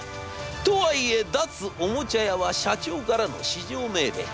とはいえ脱・おもちゃ屋は社長からの至上命令。